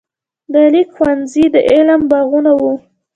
د لیک ښوونځي د علم باغونه وو.